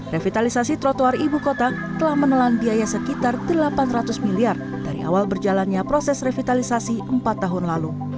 revitalisasi trotoar ibu kota telah menelan biaya sekitar delapan ratus miliar dari awal berjalannya proses revitalisasi empat tahun lalu